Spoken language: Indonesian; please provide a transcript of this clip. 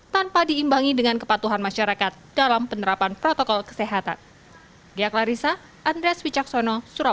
tanpa diimbangi dengan kepatuhan masyarakat dalam penerapan protokol kesehatan